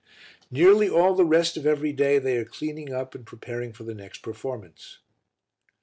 Nearly all the rest of every day they are cleaning up and preparing for the next performance.